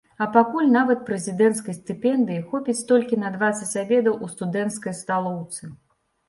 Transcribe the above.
А пакуль нават прэзідэнцкай стыпендыі хопіць толькі на дваццаць абедаў у студэнцкай сталоўцы.